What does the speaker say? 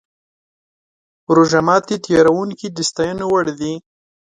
روژه ماتي تیاروونکي د ستاینې وړ دي.